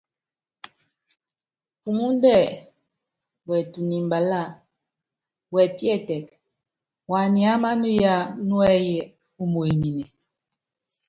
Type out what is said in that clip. Pumúndɛ́ wɛɛtunu mbaláa, wɛpíɛ́tɛk, waniáma á nuya núɛ́yí umuemine.